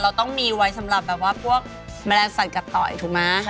เราต้องมีไว้สำหรับแบบว่าพวกแมลงสัตวกัดต่อยถูกไหม